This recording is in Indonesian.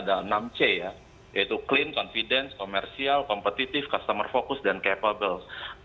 dalam c ya yaitu clean confidence komersial kompetitif customer focus dan capable